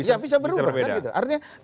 ya bisa berubah kan gitu